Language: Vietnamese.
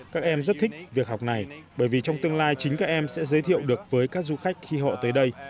các em rất thích việc học này bởi vì trong tương lai chính các em sẽ giới thiệu được với các du khách khi họ tới đây